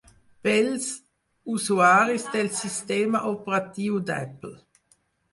Bells usuaris del sistema operatiu d'Apple.